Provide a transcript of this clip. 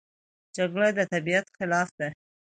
جګړه د طبیعت خلاف ده